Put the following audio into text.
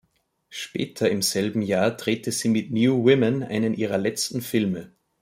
Später im selben Jahr drehte sie mit "New Women" einen ihrer letzten Filme.